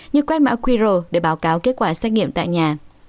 như quét mã qr để báo cáo kết quả xét nghiệm tại nhà